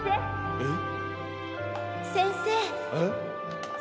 えっ！？